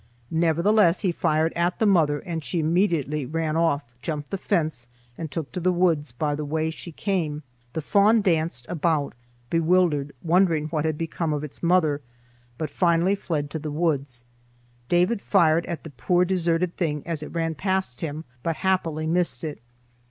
Nevertheless, he fired at the mother, and she immediately ran off, jumped the fence, and took to the woods by the way she came. The fawn danced about bewildered, wondering what had become of its mother, but finally fled to the woods. David fired at the poor deserted thing as it ran past him but happily missed it.